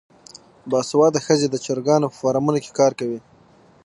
باسواده ښځې د چرګانو په فارمونو کې کار کوي.